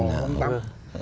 họ không tắm